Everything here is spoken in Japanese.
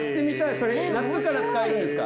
それ夏から使えるんですか？